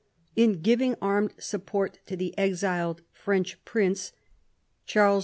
In giving armed support to the exiled French prince, Charles IV.